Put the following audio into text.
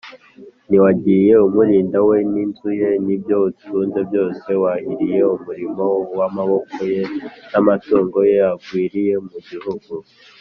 ntiwagiye umurinda we n’inzu ye n’ibyo atunze byose’ wahiriye umurimo w’amaboko ye, n’amatungo ye agwiriye mu gihugu